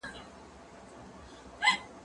هغه څوک چي تکړښت کوي روغ اوسي،